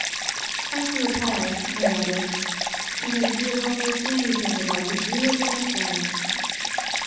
After a pause I added, "And I'd give almost anything if I could do it myself."